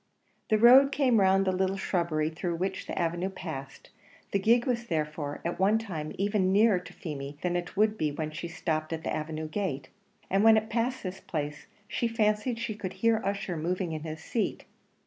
The road came round the little shrubbery through which the avenue passed; the gig was therefore at one time even nearer to Feemy than it would be when it stopped at the avenue gate; and when it passed this place, she fancied she could hear Ussher moving in his seat.